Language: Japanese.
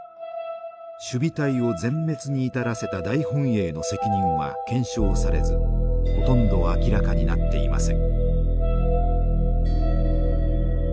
守備隊を全滅に至らせた大本営の責任は検証されずほとんど明らかになっていません。